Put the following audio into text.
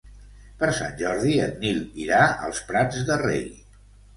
Per Sant Jordi en Nil irà als Prats de Rei.